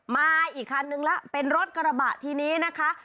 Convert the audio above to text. มาอีกคันนึงแล้วเป็นรถกระบะทีนี้นะคะ